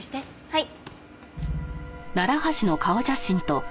はい。